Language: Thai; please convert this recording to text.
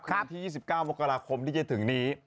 คือ๑๙วักขราคมที่จะถึงนี้